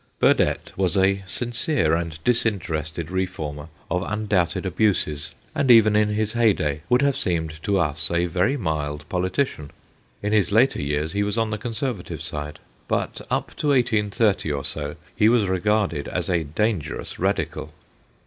Burdett was a sincere and disinterested reformer of undoubted abuses, and even in 246 THE GHOSTS OF PICCADILLY his hey day would have seemed to us a very mild politician. In his later years he was on the Conservative side. But up to 1830 or so he was regarded as a dangerous Radical.